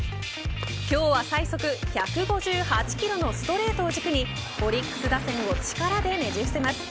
今日は最速１５８キロのストレートを軸にオリックス打線を力でねじ伏せます。